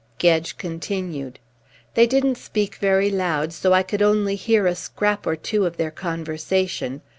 Gedge continued. "They didn't speak very loud, so I could only hear a scrap or two of their conversation.